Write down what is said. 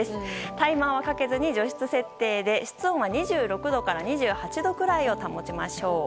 タイマーはかけずに除湿設定で室温は２６度から２８度くらいを保ちましょう。